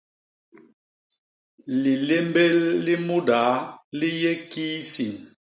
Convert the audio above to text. Lilémbél li mudaa li yé kiisin.